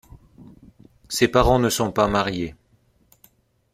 Ses parents ne sont pas mariés.